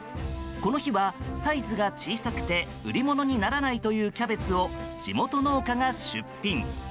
この日はサイズが小さくて売り物にならないというキャベツを地元農家が出品。